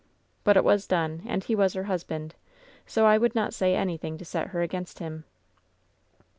"But it was done, and he was her husband, so I would jLOt say anything to set her against him."